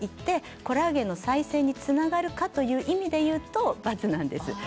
筋肉を鍛えたからといってコラーゲン再生につながるかという意味でいうと×なんですね。